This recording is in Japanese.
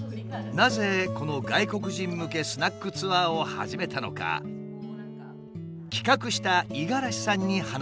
なぜこの外国人向けスナックツアーを始めたのか企画した五十嵐さんに話を聞いた。